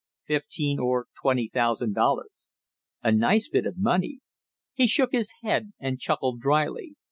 "Fifteen or twenty thousand dollars." "A nice bit of money!" He shook his head and chuckled dryly.